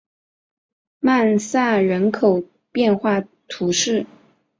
曼萨人口变化图示